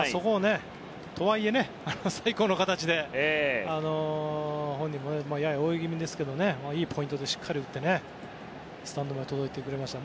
とはいえ、最高の形で本人も、やや泳ぎ気味でしたけどいいポイントでしっかり打ってスタンドまで届いてくれました。